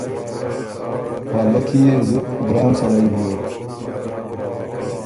پالکي يې زُت ګران سړئ بیوک